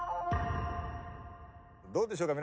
どうでしょうか？